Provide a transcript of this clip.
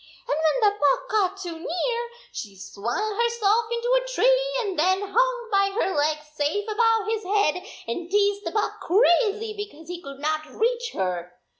And when the buck got too near, she swung herself into a tree and then hung by her legs safe above his head and teased the buck crazy because he could not reach her.